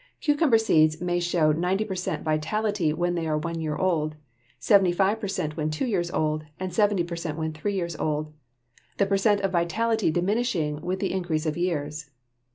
Cucumber seeds may show 90 per cent vitality when they are one year old, 75 per cent when two years old, and 70 per cent when three years old the per cent of vitality diminishing with increase of years.